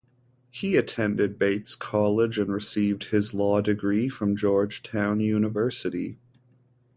He attended Bates College, and received his law degree from Georgetown University.